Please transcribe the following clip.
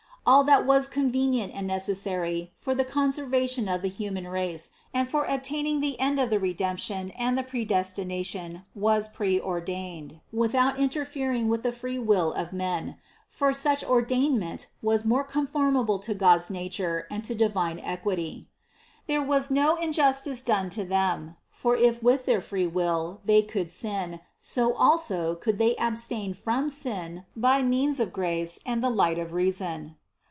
All that was convenient and necessary for the conservation of the 60 CITY OF GOD human race and for obtaining the end of the Redemp tion and the Predestination, was preordained, without in terfering with the free will of men; for such ordainment was more conformable to God's nature and to divine equity. There was no injustice done to them, for if with their free will they could sin, so also could they abstain from sin by means of grace and the light of reason.